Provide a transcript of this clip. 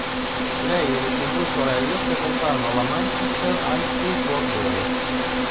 Lei e le sue due sorelle frequentarono la Manchester High School for Girls.